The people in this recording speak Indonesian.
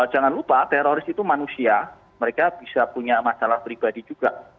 jangan lupa teroris itu manusia mereka bisa punya masalah pribadi juga